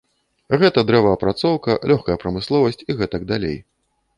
Гэта дрэваапрацоўка, лёгкая прамысловасць і гэтак далей.